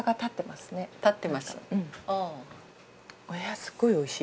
すごいおいしい。